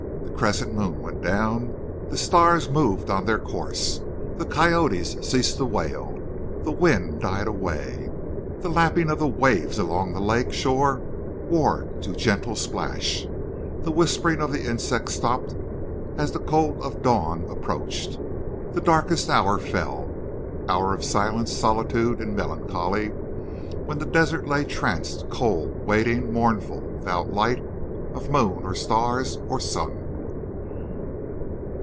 The crescent moon went down, the stars moved on their course, the coyotes ceased to wail, the wind died away, the lapping of the waves along the lake shore wore to gentle splash, the whispering of the insects stopped as the cold of dawn approached. The darkest hour fell—hour of silence, solitude, and melancholy, when the desert lay tranced, cold, waiting, mournful without light of moon or stars or sun.